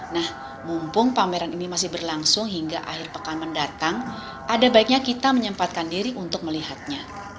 nah mumpung pameran ini masih berlangsung hingga akhir pekan mendatang ada baiknya kita menyempatkan diri untuk melihatnya